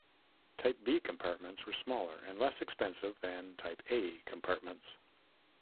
Type B compartments were smaller and less expensive than type A compartments.